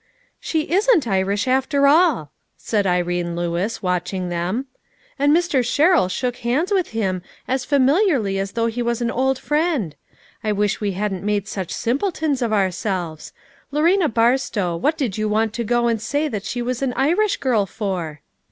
" She isn't Irish, after all," said Irene Lewis, 320 "A SATISFACTORY EVENING. 321 watching them. " And Mr. Sherrill shook hands with him as familiarly as though he was an old friend ; I wish we hadn't made such simpletons of ourselves. Lorena Barstow, what did you want to go and say she was an Irish girl for?"